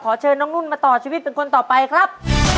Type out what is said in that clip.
เชิญน้องนุ่นมาต่อชีวิตเป็นคนต่อไปครับ